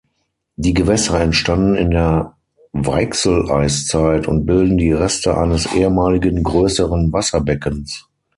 Die Gewässer entstanden in der Weichseleiszeit und bilden die Reste eines ehemaligen größeren Wasserbeckens.